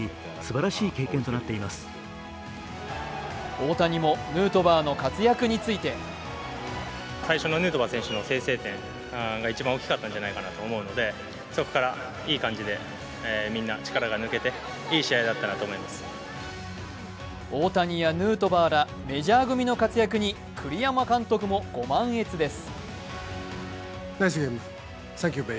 大谷もヌートバーの活躍について大谷やヌートバーらメジャー組の活躍に栗山監督もご満悦です。